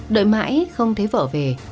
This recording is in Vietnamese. đợi mãi không thấy vợ về